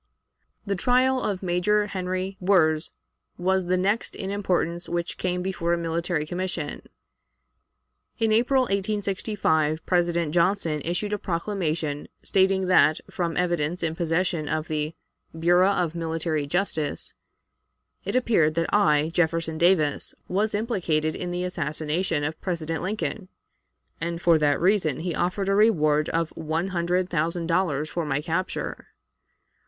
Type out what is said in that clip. The trial of Major Henry Wirz was the next in importance which came before a military commission. In April, 1865, President Johnson issued a proclamation, stating that, from evidence in possession of the "Bureau of Military Justice," it appeared that I, Jefferson Davis, was implicated in the assassination of President Lincoln, and for that reason he offered a reward of one hundred thousand dollars for my capture.